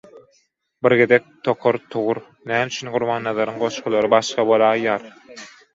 Bir gezek Tokar Tugur «Näme üçin Gurbannazaryň goşgulary başga bolaýýar?